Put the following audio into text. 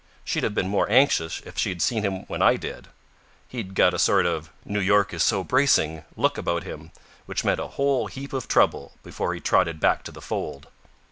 She'd have been more anxious if she had seen him when I did. He'd got a sort of "New York is so bracing" look about him, which meant a whole heap of trouble before he trotted back to the fold.